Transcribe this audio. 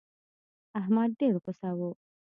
احمد ډېر غوسه و.